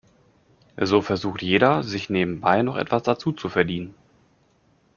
So versucht jeder, sich nebenbei noch etwas dazuzuverdienen.